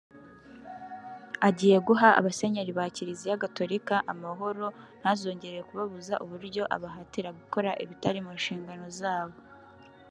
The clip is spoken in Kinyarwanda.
Agiye guha abasenyeri ba Kiliziya Gatolika amahoro ntazongere kubabuza uburyo abahatira gukora ibitari mu nshingano zabo